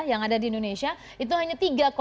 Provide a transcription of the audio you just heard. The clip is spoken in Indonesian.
yang ada di indonesia itu hanya tiga sembilan puluh